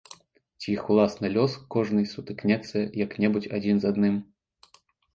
Ці іх уласны лёс, кожнай, сутыкнецца як-небудзь адзін з адным?